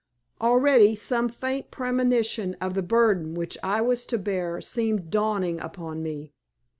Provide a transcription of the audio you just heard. Already some faint premonition of the burden which I was to bear seemed dawning upon me.